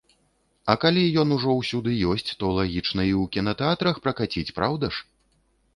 А калі ён ужо ўсюды ёсць, то лагічна і ў кінатэатрах пракаціць, праўда ж?